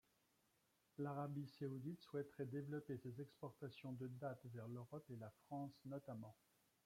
L’Arabie saoudite souhaiterait développer ses exportations de dattes vers l’Europe et la France notamment.